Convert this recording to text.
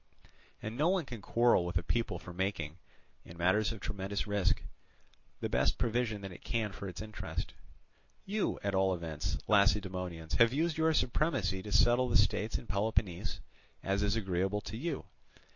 And no one can quarrel with a people for making, in matters of tremendous risk, the best provision that it can for its interest. "You, at all events, Lacedaemonians, have used your supremacy to settle the states in Peloponnese as is agreeable to you.